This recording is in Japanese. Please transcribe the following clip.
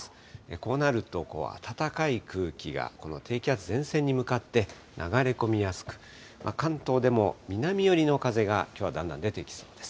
こうなると、暖かい空気がこの低気圧、前線に向かって流れ込みやすく、関東でも南寄りの風がきょうはだんだん出てきそうです。